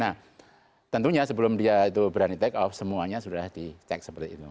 nah tentunya sebelum dia itu berani take off semuanya sudah dicek seperti itu